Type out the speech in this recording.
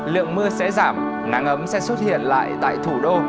lượng mưa sẽ giảm nắng ấm sẽ xuất hiện lại tại thủ đô